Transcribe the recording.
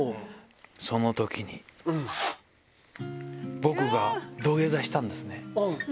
そのときに、僕が土下座したんですね。